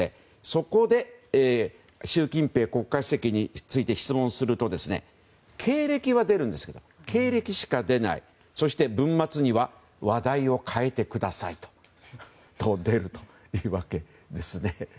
そこで、習近平国家主席について質問すると経歴しか出ずにそして文末には話題を変えてくださいと出るというわけですね。